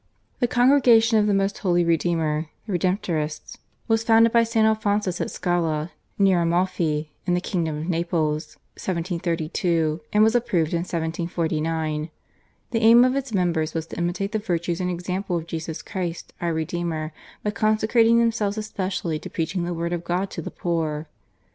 The Congregation of the Most Holy Redeemer (The Redemptorists) was founded by St. Alphonsus at Scala, near Amalfi, in the kingdom of Naples (1732), and was approved in 1749. The aim of its members was to imitate the virtues and example of Jesus Christ, our Redeemer, by consecrating themselves especially to preaching the word of God to the poor.